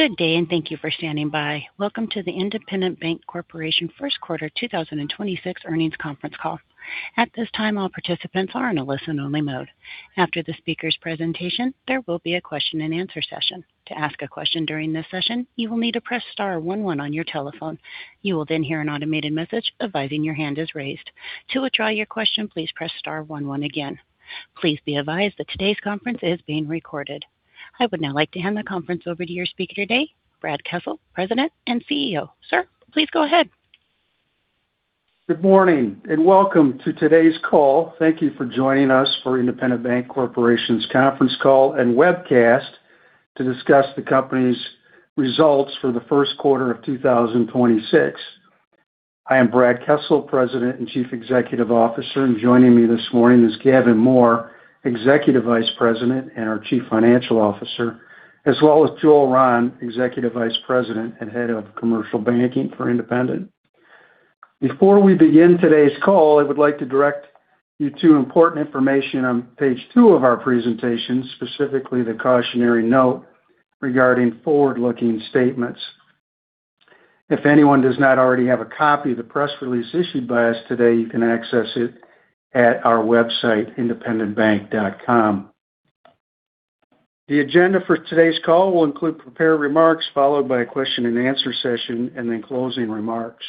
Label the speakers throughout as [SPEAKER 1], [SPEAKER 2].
[SPEAKER 1] Good day, and thank you for standing by. Welcome to the Independent Bank Corporation First Quarter 2026 Earnings Conference Call. At this time, all participants are in a listen-only mode. After the speaker's presentation, there will be a question and answer session. To ask a question during this session, you will need to press star one one on your telephone. You will then hear an automated message advising your hand is raised. To withdraw your question, please press star one one again. Please be advised that today's conference is being recorded. I would now like to hand the conference over to your speaker today, Brad Kessel, President and CEO. Sir, please go ahead.
[SPEAKER 2] Good morning, and welcome to today's call. Thank you for joining us for Independent Bank Corporation's conference call and webcast to discuss the company's results for the first quarter of 2026. I am Brad Kessel, President and Chief Executive Officer, and joining me this morning is Gavin Mohr, Executive Vice President and our Chief Financial Officer, as well as Joel Rahn, Executive Vice President and Head of Commercial Banking for Independent. Before we begin today's call, I would like to direct you to important information on page two of our presentation, specifically the cautionary note regarding forward-looking statements. If anyone does not already have a copy of the press release issued by us today, you can access it at our website, independentbank.com. The agenda for today's call will include prepared remarks, followed by a question and answer session, and then closing remarks.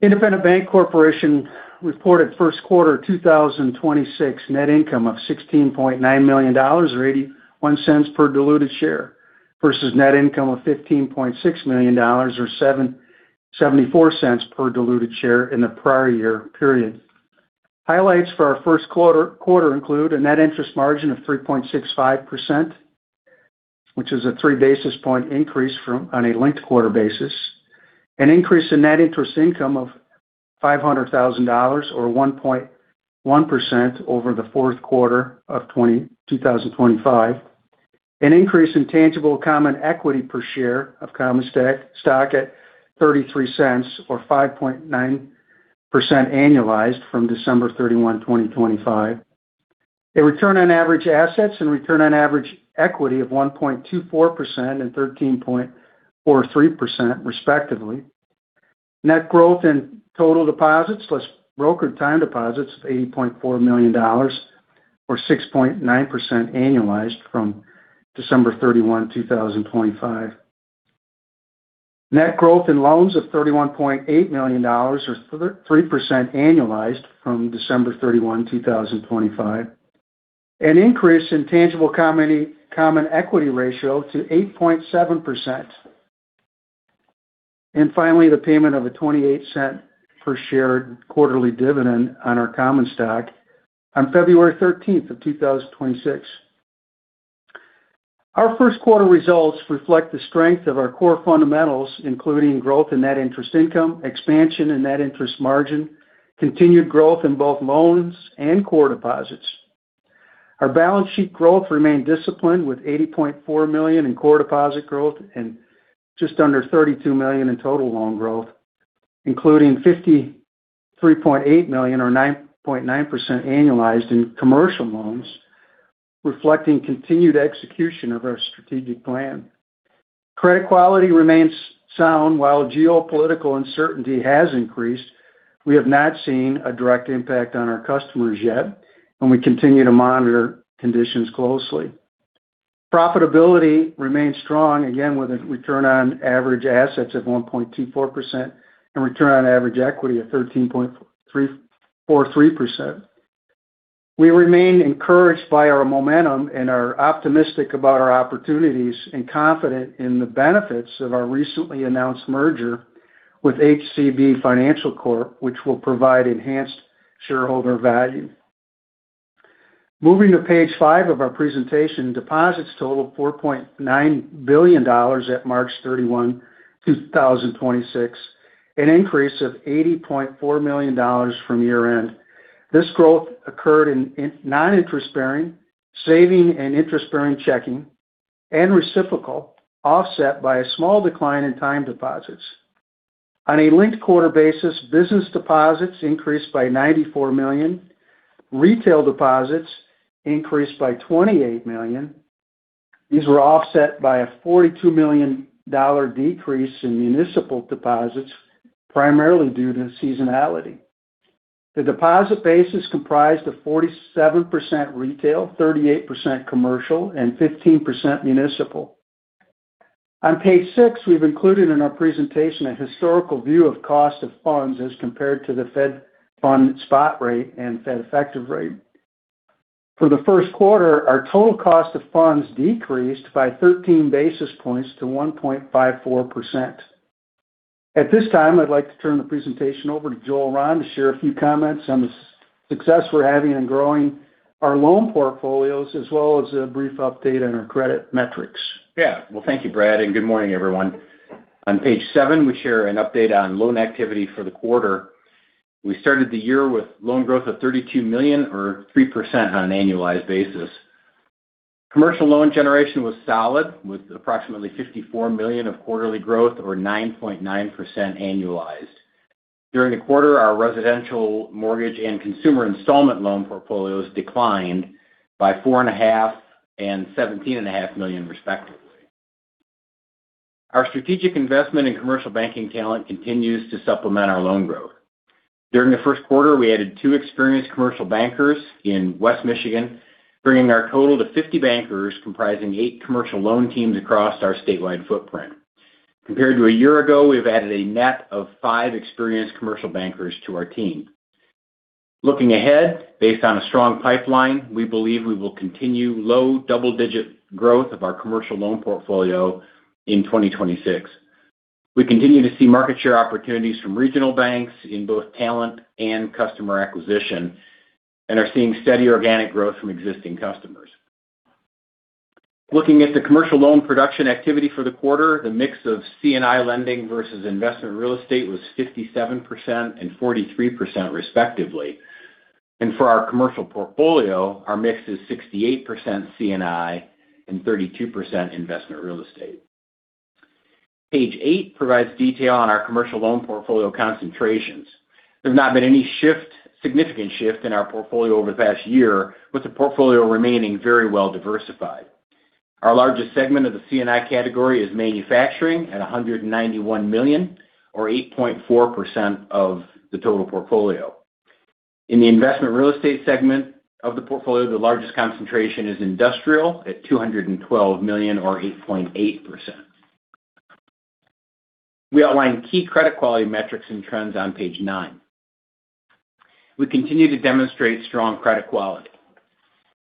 [SPEAKER 2] Independent Bank Corporation reported first quarter 2026 net income of $16.9 million, or $0.81 per diluted share, versus net income of $15.6 million, or $0.74 per diluted share in the prior year period. Highlights for our first quarter include a net interest margin of 3.65%, which is a three basis point increase on a linked-quarter basis, an increase in net interest income of $500,000, or 1.1% over the fourth quarter of 2025, an increase in tangible common equity per share of common stock at $0.33 or 5.9% annualized from December 31, 2025, a return on average assets and return on average equity of 1.24% and 13.43%, respectively, net growth in total deposits, less brokered time deposits of $80.4 million, or 6.9% annualized from December 31, 2025, net growth in loans of $31.8 million or 3% annualized from December 31, 2025. An increase in tangible common equity ratio to 8.7%. Finally, the payment of a $0.28 per share quarterly dividend on our common stock on February 13th of 2026. Our first quarter results reflect the strength of our core fundamentals, including growth in net interest income, expansion in net interest margin, continued growth in both loans and core deposits. Our balance sheet growth remained disciplined with $80.4 million in core deposit growth and just under $32 million in total loan growth, including $53.8 million or 9.9% annualized in commercial loans, reflecting continued execution of our strategic plan. Credit quality remains sound. While geopolitical uncertainty has increased, we have not seen a direct impact on our customers yet, and we continue to monitor conditions closely. Profitability remains strong again with a return on average assets of 1.24% and return on average equity of 13.43%. We remain encouraged by our momentum and are optimistic about our opportunities and confident in the benefits of our recently announced merger with HCB Financial Corp, which will provide enhanced shareholder value. Moving to page 5 of our presentation. Deposits total $4.9 billion at March 31, 2026, an increase of $80.4 million from year-end. This growth occurred in non-interest-bearing, saving and interest-bearing checking, and reciprocal, offset by a small decline in time deposits. On a linked-quarter basis, business deposits increased by $94 million. Retail deposits increased by $28 million. These were offset by a $42 million decrease in municipal deposits, primarily due to seasonality. The deposit base is comprised of 47% retail, 38% commercial, and 15% municipal. On page 6, we've included in our presentation a historical view of cost of funds as compared to the federal funds spot rate and effective federal funds rate. For the first quarter, our total cost of funds decreased by 13 basis points to 1.54%. At this time, I'd like to turn the presentation over to Joel Rahn to share a few comments on the success we're having in growing our loan portfolios, as well as a brief update on our credit metrics.
[SPEAKER 3] Yeah. Well, thank you, Brad, and good morning, everyone. On page 7, we share an update on loan activity for the quarter. We started the year with loan growth of $32 million or 3% on an annualized basis. Commercial loan generation was solid with approximately $54 million of quarterly growth or 9.9% annualized. During the quarter, our residential mortgage and consumer installment loan portfolios declined by $4.5 million and $17.5 million, respectively. Our strategic investment in commercial banking talent continues to supplement our loan growth. During the first quarter, we added two experienced commercial bankers in West Michigan, bringing our total to 50 bankers comprising eight commercial loan teams across our statewide footprint. Compared to a year ago, we've added a net of five experienced commercial bankers to our team. Looking ahead, based on a strong pipeline, we believe we will continue low double-digit growth of our commercial loan portfolio in 2026. We continue to see market share opportunities from regional banks in both talent and customer acquisition and are seeing steady organic growth from existing customers. Looking at the commercial loan production activity for the quarter, the mix of C&I lending versus investment real estate was 57% and 43%, respectively. For our commercial portfolio, our mix is 68% C&I and 32% investment real estate. Page 8 provides detail on our commercial loan portfolio concentrations. There's not been any significant shift in our portfolio over the past year, with the portfolio remaining very well diversified. Our largest segment of the C&I category is manufacturing at $191 million or 8.4% of the total portfolio. In the investment real estate segment of the portfolio, the largest concentration is industrial at $212 million or 8.8%. We outline key credit quality metrics and trends on page 9. We continue to demonstrate strong credit quality.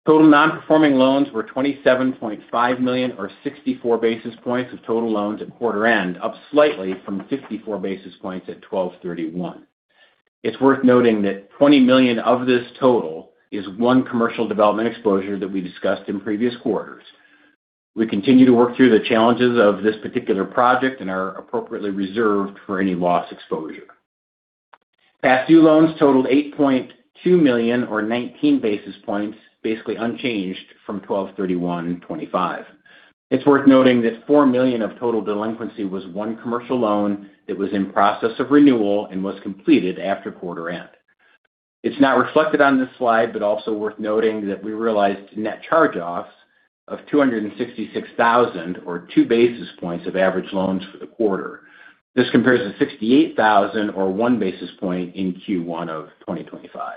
[SPEAKER 3] Total non-performing loans were $27.5 million or 64 basis points of total loans at quarter end, up slightly from 54 basis points at 12/31/2023. It's worth noting that $20 million of this total is one commercial development exposure that we discussed in previous quarters. We continue to work through the challenges of this particular project and are appropriately reserved for any loss exposure. Past due loans totaled $8.2 million or 19 basis points, basically unchanged from 12/31/2023. It's worth noting that $4 million of total delinquency was one commercial loan that was in process of renewal and was completed after quarter end. It's not reflected on this slide, but also worth noting that we realized net charge-offs of $266,000 or two basis points of average loans for the quarter. This compares to $68,000 or one basis point in Q1 of 2025.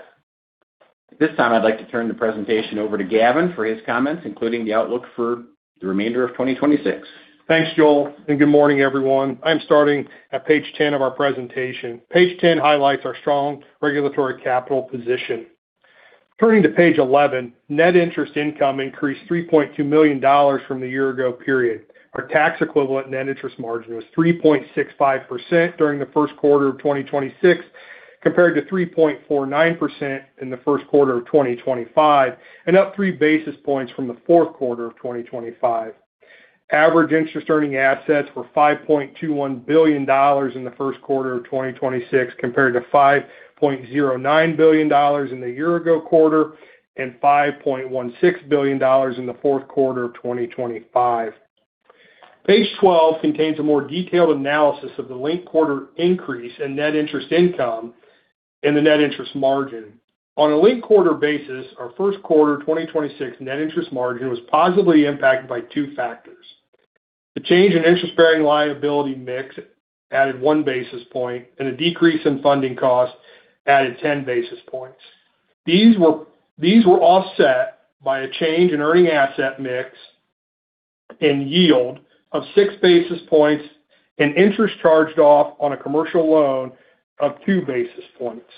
[SPEAKER 3] At this time, I'd like to turn the presentation over to Gavin for his comments, including the outlook for the remainder of 2026.
[SPEAKER 4] Thanks, Joel, and good morning, everyone. I'm starting at page 10 of our presentation. Page 10 highlights our strong regulatory capital position. Turning to page 11, net interest income increased $3.2 million from the year ago period. Our tax equivalent net interest margin was 3.65% during the first quarter of 2026, compared to 3.49% in the first quarter of 2025, and up three basis points from the fourth quarter of 2025. Average interest earning assets were $5.21 billion in the first quarter of 2026, compared to $5.09 billion in the year ago quarter and $5.16 billion in the fourth quarter of 2025. Page 12 contains a more detailed analysis of the linked quarter increase in net interest income and the net interest margin. On a linked quarter basis, our first quarter 2026 net interest margin was positively impacted by two factors. The change in interest-bearing liability mix added 1 basis point and a decrease in funding cost added 10 basis points. These were offset by a change in earning asset mix and yield of 6 basis points and interest charged off on a commercial loan of 2 basis points.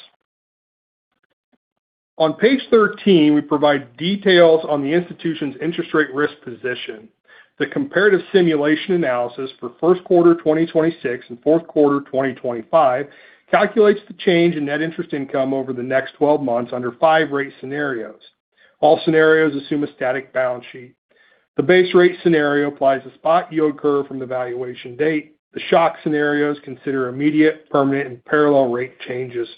[SPEAKER 4] On page 13, we provide details on the institution's interest rate risk position. The comparative simulation analysis for first quarter 2026 and fourth quarter 2025 calculates the change in net interest income over the next 12 months under five rate scenarios. All scenarios assume a static balance sheet. The base rate scenario applies a spot yield curve from the valuation date. The shock scenarios consider immediate, permanent, and parallel rate changes.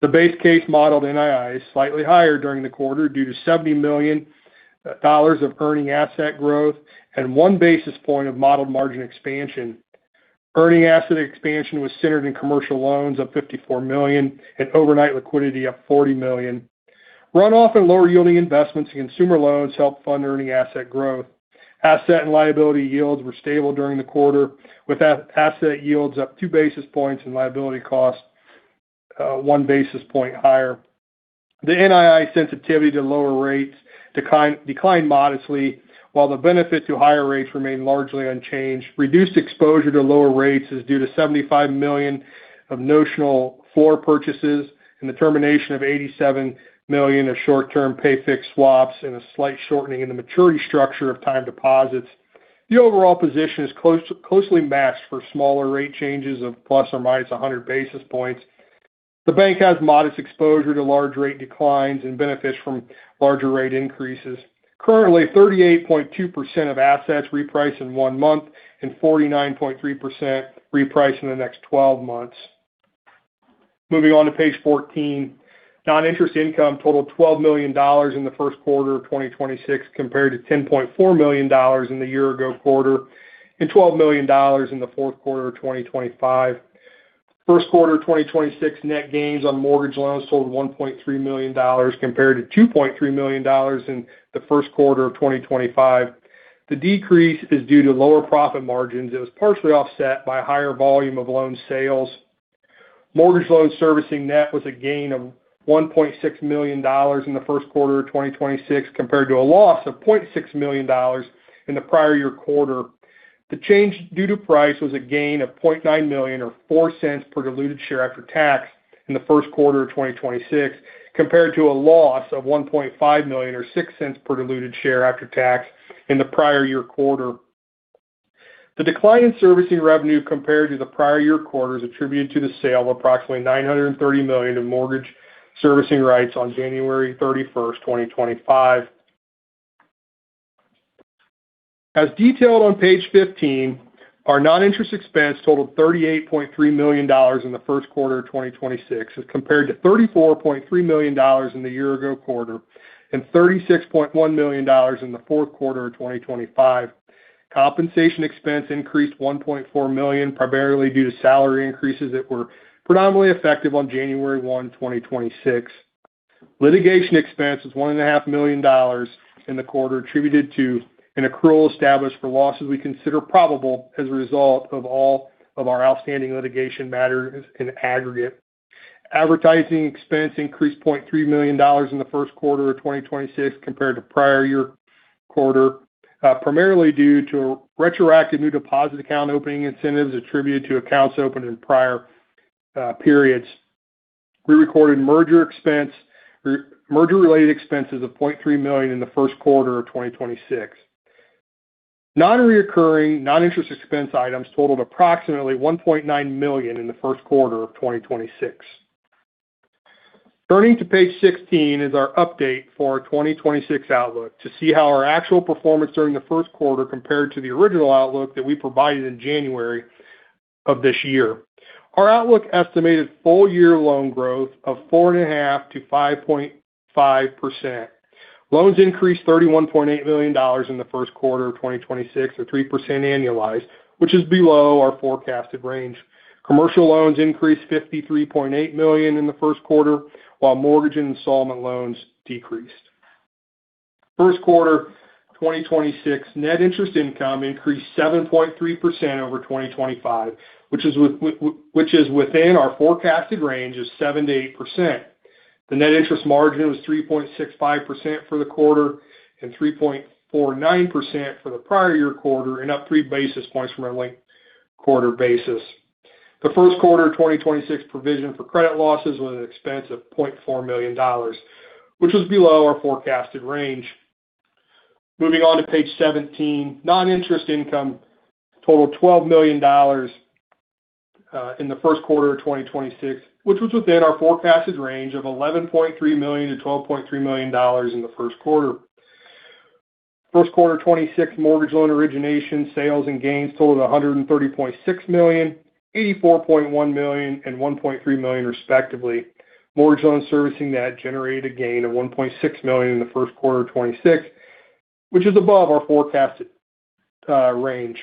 [SPEAKER 4] The base case modeled NII is slightly higher during the quarter due to $70 million of earning asset growth and 1 basis point of modeled margin expansion. Earning asset expansion was centered in commercial loans of $54 million and overnight liquidity of $40 million. Runoff and lower yielding investments in consumer loans helped fund earning asset growth. Asset and liability yields were stable during the quarter, with asset yields up two basis points and liability costs one basis point higher. The NII sensitivity to lower rates declined modestly, while the benefit to higher rates remained largely unchanged. Reduced exposure to lower rates is due to $75 million of notional floor purchases and the termination of $87 million of short-term pay-fixed swaps and a slight shortening in the maturity structure of time deposits. The overall position is closely matched for smaller rate changes of ±100 basis points. The bank has modest exposure to large rate declines and benefits from larger rate increases. Currently, 38.2% of assets reprice in one month and 49.3% reprice in the next 12 months. Moving on to page 14, noninterest income totaled $12 million in the first quarter of 2026 compared to $10.4 million in the year ago quarter, and $12 million in the fourth quarter of 2025. First quarter 2026 net gains on mortgage loans totaled $1.3 million compared to $2.3 million in the first quarter of 2025. The decrease is due to lower profit margins that was partially offset by a higher volume of loan sales. Mortgage loan servicing net was a gain of $1.6 million in the first quarter of 2026 compared to a loss of $0.6 million in the prior year quarter. The change due to price was a gain of $0.9 million or $0.04 per diluted share after tax in the first quarter of 2026 compared to a loss of $1.5 million or $0.06 per diluted share after tax in the prior year quarter. The decline in servicing revenue compared to the prior year quarter is attributed to the sale of approximately $930 million of mortgage servicing rights on January 31st, 2025. As detailed on page 15, our non-interest expense totaled $38.3 million in the first quarter of 2026 as compared to $34.3 million in the year ago quarter and $36.1 million in the fourth quarter of 2025. Compensation expense increased $1.4 million, primarily due to salary increases that were predominantly effective on January 1, 2026. Litigation expense was $1.5 million in the quarter attributed to an accrual established for losses we consider probable as a result of all of our outstanding litigation matters in aggregate. Advertising expense increased $0.3 million in the first quarter of 2026 compared to prior-year quarter, primarily due to retroactive new deposit account opening incentives attributed to accounts opened in prior periods. We recorded merger-related expenses of $0.3 million in the first quarter of 2026. Nonrecurring noninterest expense items totaled approximately $1.9 million in the first quarter of 2026. Turning to page 16 is our update for our 2026 outlook to see how our actual performance during the first quarter compared to the original outlook that we provided in January of this year. Our outlook estimated full year loan growth of 4.5%-5.5%. Loans increased $31.8 million in the first quarter of 2026 or 3% annualized, which is below our forecasted range. Commercial loans increased $53.8 million in the first quarter, while mortgage installment loans decreased. First quarter 2026 net interest income increased 7.3% over 2025, which is within our forecasted range of 7%-8%. The net interest margin was 3.65% for the quarter and 3.49% for the prior year quarter, and up three basis points from a linked quarter basis. The first quarter 2026 provision for credit losses was an expense of $0.4 million, which was below our forecasted range. Moving on to page 17. Non-interest income totaled $12 million in the first quarter of 2026, which was within our forecasted range of $11.3 million-$12.3 million in the first quarter. First quarter 2026 mortgage loan origination sales and gains totaled $130.6 million, $84.1 million and $1.3 million respectively. Mortgage loan servicing net generated a gain of $1.6 million in the first quarter of 2026, which is above our forecasted range.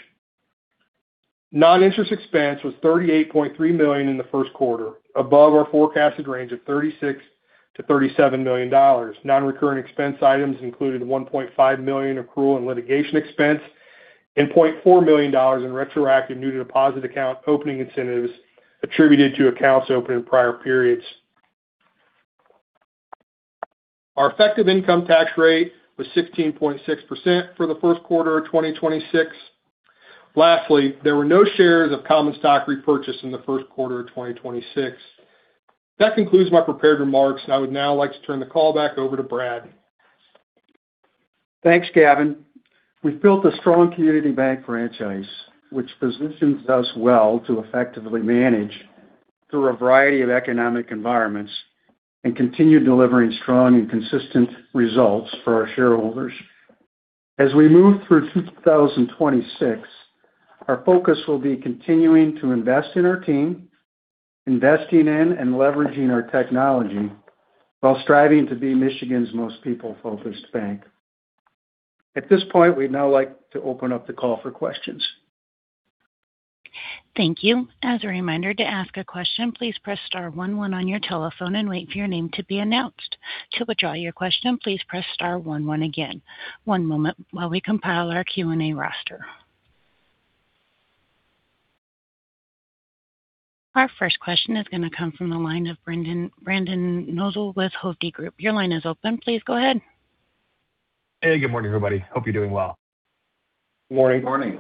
[SPEAKER 4] Non-interest expense was $38.3 million in the first quarter, above our forecasted range of $36-$37 million. Non-recurring expense items included $1.5 million accrual in litigation expense and $0.4 million in retroactive new deposit account opening incentives attributed to accounts opened in prior periods. Our effective income tax rate was 16.6% for the first quarter of 2026. Lastly, there were no shares of common stock repurchased in the first quarter of 2026. That concludes my prepared remarks. I would now like to turn the call back over to Brad.
[SPEAKER 2] Thanks, Gavin. We've built a strong community bank franchise, which positions us well to effectively manage through a variety of economic environments and continue delivering strong and consistent results for our shareholders. As we move through 2026, our focus will be continuing to invest in our team, investing in and leveraging our technology while striving to be Michigan's most people-focused bank. At this point, we'd now like to open up the call for questions.
[SPEAKER 1] Thank you. As a reminder, to ask a question, please press star one one on your telephone and wait for your name to be announced. To withdraw your question, please press star one oneagain. One moment while we compile our Q&A roster. Our first question is going to come from the line of Brendan Nosal with Hovde Group. Your line is open. Please go ahead.
[SPEAKER 5] Hey, good morning, everybody. Hope you're doing well.
[SPEAKER 2] Morning.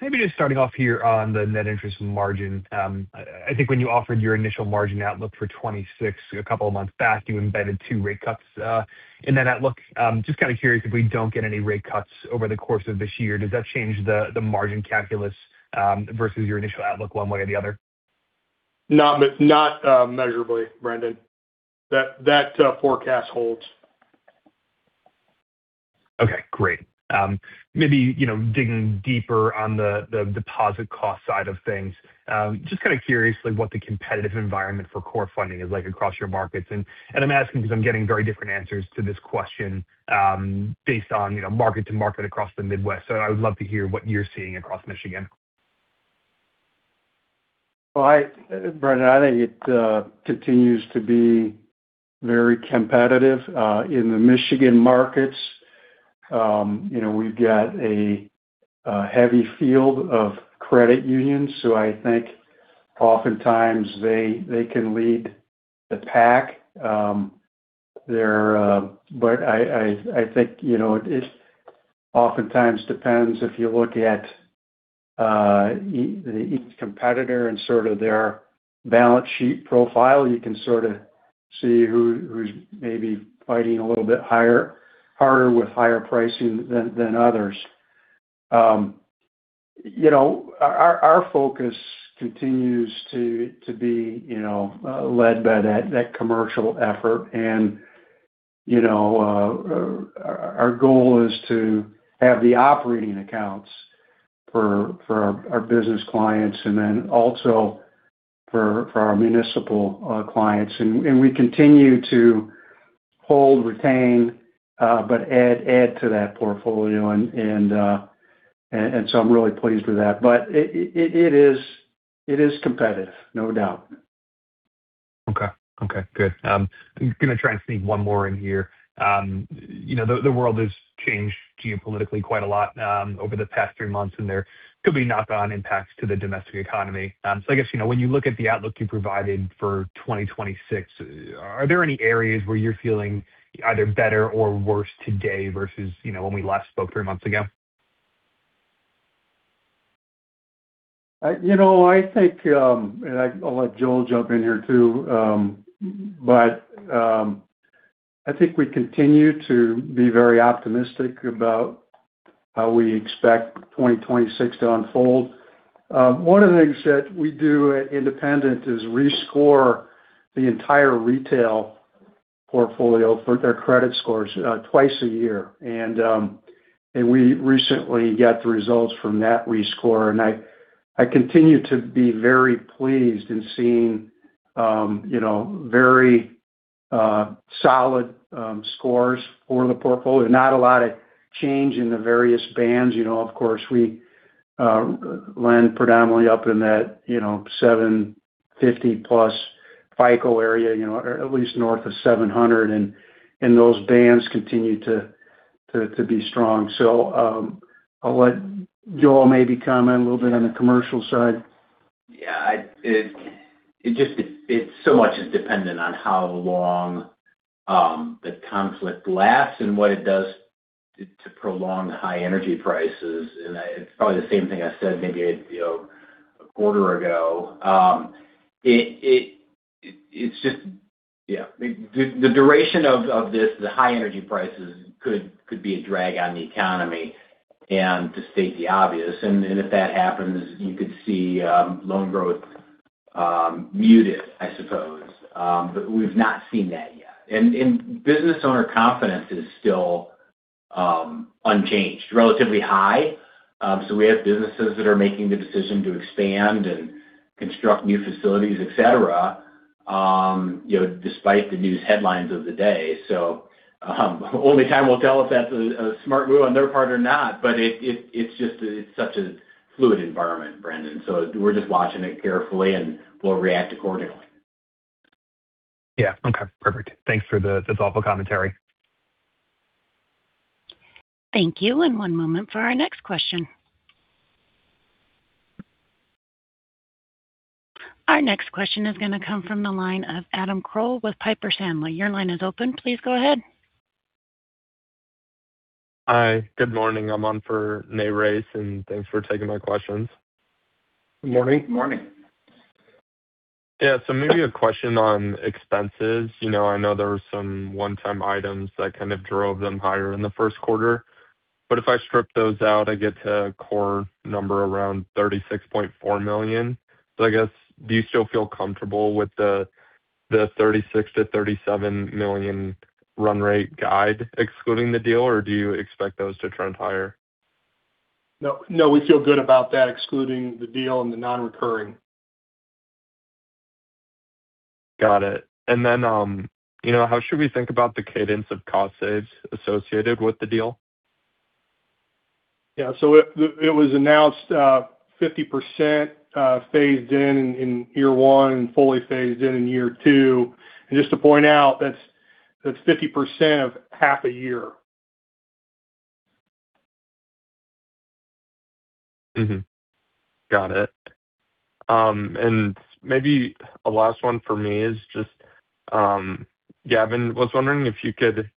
[SPEAKER 5] Maybe just starting off here on the net interest margin. I think when you offered your initial margin outlook for 2026 a couple of months back, you embedded two rate cuts in that outlook. Just kind of curious, if we don't get any rate cuts over the course of this year, does that change the margin calculus versus your initial outlook one way or the other?
[SPEAKER 4] Not measurably, Brendan. That forecast holds.
[SPEAKER 5] Okay, great. Maybe digging deeper on the deposit cost side of things. Just kind of curious what the competitive environment for core funding is like across your markets. I'm asking because I'm getting very different answers to this question based on market to market across the Midwest. I would love to hear what you're seeing across Michigan.
[SPEAKER 2] Well, Brendan, I think it continues to be very competitive in the Michigan markets. We've got a heavy field of credit unions, so I think oftentimes they can lead the pack. I think it oftentimes depends if you look at each competitor and sort of their balance sheet profile, you can sort of see who's maybe fighting a little bit harder with higher pricing than others. Our focus continues to be led by that commercial effort, and our goal is to have the operating accounts for our business clients and then also for our municipal clients. We continue to hold, retain, but add to that portfolio. I'm really pleased with that. It is competitive, no doubt.
[SPEAKER 5] Okay, good. I'm going to try and sneak one more in here. The world has changed geopolitically quite a lot over the past three months, and there could be knock-on impacts to the domestic economy. I guess, when you look at the outlook you provided for 2026, are there any areas where you're feeling either better or worse today versus when we last spoke three months ago?
[SPEAKER 2] I think, and I'll let Joel jump in here too, but I think we continue to be very optimistic about how we expect 2026 to unfold. One of the things that we do at Independent is rescore the entire retail portfolio for their credit scores twice a year. We recently got the results from that rescore, and I continue to be very pleased in seeing very solid scores for the portfolio. Not a lot of change in the various bands. Of course, we lend predominantly up in that 750+ FICO area, at least north of 700, and those bands continue to be strong. I'll let Joel maybe comment a little bit on the commercial side.
[SPEAKER 3] Yeah. Much is dependent on how long the conflict lasts and what it does to prolong high energy prices. It's probably the same thing I said maybe a quarter ago. The duration of this, the high energy prices, could be a drag on the economy, and to state the obvious, and if that happens, you could see loan growth muted, I suppose. We've not seen that yet. Business owner confidence is still unchanged, relatively high. We have businesses that are making the decision to expand and construct new facilities, et cetera, despite the news headlines of the day. Only time will tell if that's a smart move on their part or not. It's such a fluid environment, Brendan, so we're just watching it carefully and we'll react accordingly.
[SPEAKER 5] Yeah. Okay, perfect. Thanks for the thoughtful commentary.
[SPEAKER 1] Thank you. One moment for our next question. Our next question is going to come from the line of Adam Crow with Piper Sandler. Your line is open. Please go ahead.
[SPEAKER 6] Hi. Good morning. I'm on for Nathan Race, and thanks for taking my questions.
[SPEAKER 2] Good morning.
[SPEAKER 3] Morning.
[SPEAKER 6] Yeah. Maybe a question on expenses. I know there were some one-time items that kind of drove them higher in the first quarter, but if I strip those out, I get to a core number around $36.4 million. I guess, do you still feel comfortable with the $36-$37 million run rate guide excluding the deal, or do you expect those to trend higher?
[SPEAKER 2] No, we feel good about that excluding the deal and the non-recurring.
[SPEAKER 6] Got it. How should we think about the cadence of cost savings associated with the deal?
[SPEAKER 2] Yeah. It was announced 50% phased in year one and fully phased in year two. Just to point out, that's 50% of half a year.
[SPEAKER 6] Got it. Maybe a last one for me is just, Gavin, was wondering if you could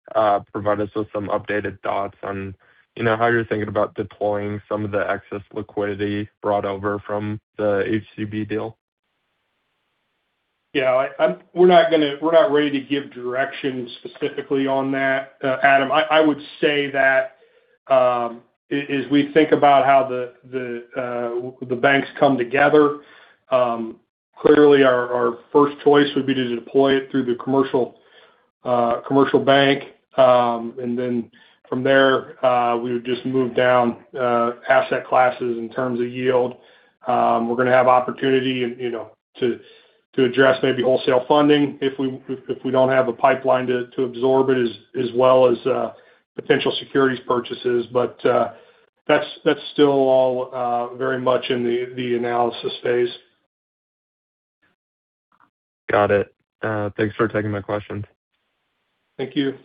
[SPEAKER 6] provide us with some updated thoughts on how you're thinking about deploying some of the excess liquidity brought over from the HCB deal?
[SPEAKER 4] Yeah. We're not ready to give direction specifically on that, Adam. I would say that as we think about how the banks come together, clearly our first choice would be to deploy it through the commercial bank. And then from there, we would just move down asset classes in terms of yield. We're going to have opportunity to address maybe wholesale funding if we don't have a pipeline to absorb it, as well as potential securities purchases. That's still all very much in the analysis phase.
[SPEAKER 6] Got it. Thanks for taking my questions.
[SPEAKER 2] Thank you.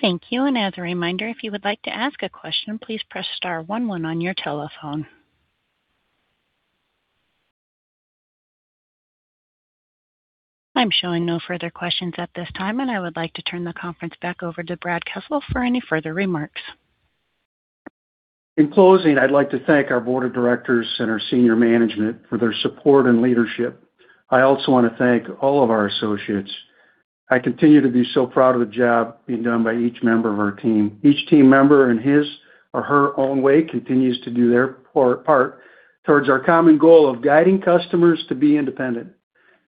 [SPEAKER 1] Thank you. As a reminder, if you would like to ask a question, please press star one one on your telephone. I'm showing no further questions at this time, and I would like to turn the conference back over to Brad Kessel for any further remarks.
[SPEAKER 2] In closing, I'd like to thank our board of directors and our senior management for their support and leadership. I also want to thank all of our associates. I continue to be so proud of the job being done by each member of our team. Each team member in his or her own way, continues to do their part towards our common goal of guiding customers to be independent.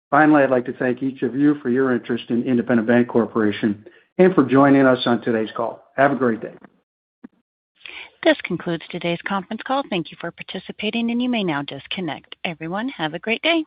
[SPEAKER 2] Finally, I'd like to thank each of you for your interest in Independent Bank Corporation and for joining us on today's call. Have a great day.
[SPEAKER 1] This concludes today's conference call. Thank you for participating, and you may now disconnect. Everyone, have a great day.